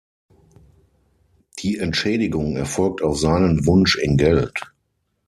Die Entschädigung erfolgt auf seinen Wunsch in Geld.